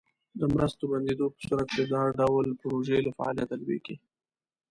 د مرستو بندیدو په صورت کې دا ډول پروژې له فعالیته لویږي.